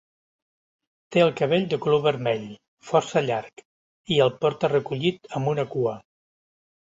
Té el cabell de color vermell, força llarg, i el porta recollit amb una cua.